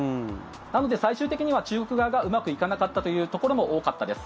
なので、最終的には中国側がうまくいかなかったというところも多かったです。